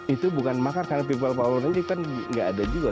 itu bukan makar karena people power ini kan nggak ada juga